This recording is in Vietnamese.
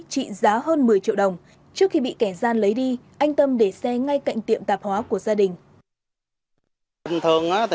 trị giá hơn một mươi triệu đồng trước khi bị kẻ gian lấy đi anh tâm để xe ngay cạnh tiệm tạp hóa của gia đình